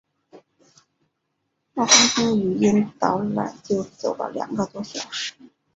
我光听语音导览就走了两个多小时